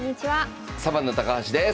サバンナ高橋です。